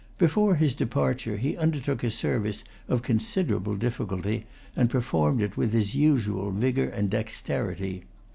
Before his departure he undertook a service of considerable difficulty, and performed it with his usual vigour and dexterity.